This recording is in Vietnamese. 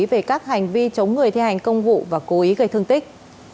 về các hành vi chống người thi hành công vụ và cố ý gây thương tích